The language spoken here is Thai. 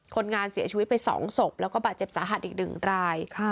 คนงานเสียชีวิตไป๒ศพแล้วก็บาดเจ็บสาหัสอีก๑ราย